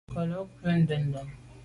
Nkelô ku’ ndende.